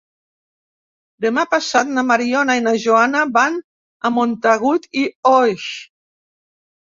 Demà passat na Mariona i na Joana van a Montagut i Oix.